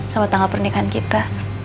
sama tanggal pernikahan kita